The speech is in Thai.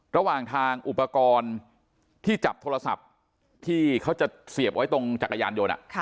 ระหว่างทางอุปกรณ์ที่จับโทรศัพท์ที่เขาจะเสียบไว้ตรงจักรยานยนต์